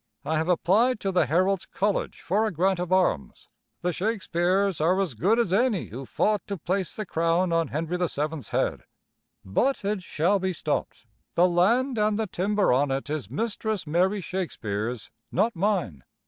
I have applied to the Herald's College for a grant of arms. The Shakespeares are as good as any who fought to place the crown on Henry VII's head. But it shall be stopped. The land and the timber on it is Mistress Mary Shakespeare's, not mine."